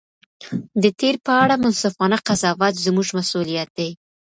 د تېر په اړه منصفانه قضاوت زموږ مسؤلیت دی.